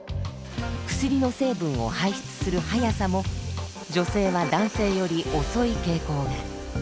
薬の成分を排出する速さも女性は男性より遅い傾向が。